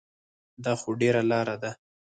دا خو ډېره لاره ده.